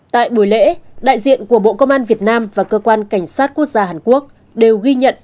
tại buổi lễ đại diện của bộ công an việt nam và cơ quan cảnh sát quốc gia hàn quốc đều ghi nhận